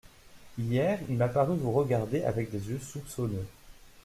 Hier, il m'a paru vous regarder avec des yeux soupçonneux.